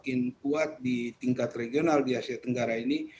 yang kuat di tingkat regional di asia tenggara ini